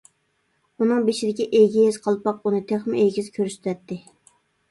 ئۇنىڭ بېشىدىكى ئېگىز قالپاق ئۇنى تېخىمۇ ئېگىز كۆرسىتەتتى.